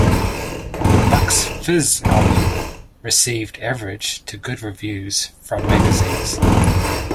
The "Bucks Fizz" album received average to good reviews from magazines.